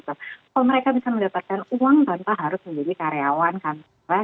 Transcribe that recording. kalau mereka bisa mendapatkan uang tanpa harus menjadi karyawan kantor